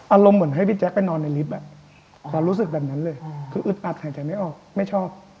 อารมณ์เหมือนให้พี่แจ๊คไปนอนในลิฟต์ความรู้สึกแบบนั้นเลยคืออึดอัดหายใจไม่ออกไม่ชอบ